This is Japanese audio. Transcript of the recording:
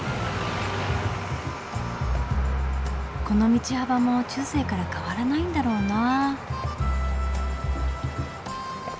この道幅も中世から変わらないんだろうな。